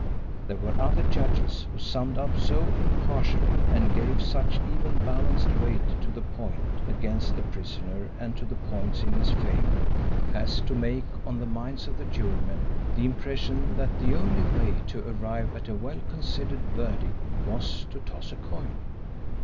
There were other judges who summed up so impartially and gave such even balanced weight to the points against the prisoner and to the points in his favour, as to make on the minds of the jurymen the impression that the only way to arrive at a well considered verdict was to toss a coin.